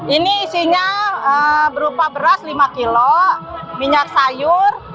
ini isinya berupa beras lima kilo minyak sayur